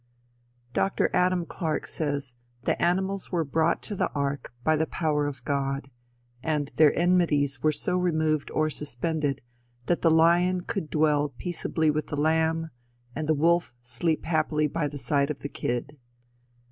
Dr. Adam Clark says that "the animals were brought to the ark by the power of God, and their enmities were so removed or suspended, that the lion could dwell peaceably with the lamb, and the wolf sleep happily by the side of the kid.